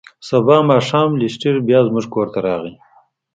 سبا ماښام لیسټرډ بیا زموږ کور ته راغی.